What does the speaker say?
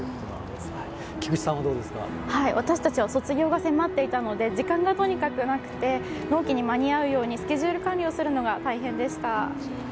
私たちは卒業が迫っていたので時間がとにかくなくて納期に間に合うようにスケジュール管理をするのが大変でした。